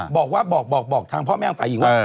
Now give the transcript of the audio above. บอกว่าบอกบอกบอกทางพ่อแม่ของฝ่ายอีกว่า